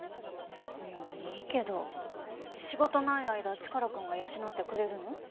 いやいいけど仕事ない間チカラくんが養ってくれるの？